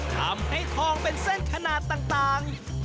ทำให้ทองเป็นเส้นขนาดต่าง